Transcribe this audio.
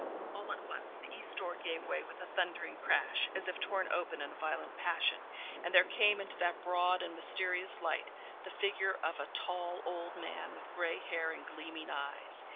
All at once, the east door gave way with a thundering crash, as if torn open in a violent passion, and there came into that broad and mysterious light, the figure of a tall old man, with grey hair and gleaming eyes.